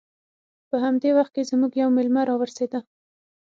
په همدې وخت کې زموږ یو میلمه راورسید